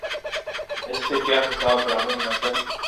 اس سے کیا حساب برابر ہو جاتا ہے؟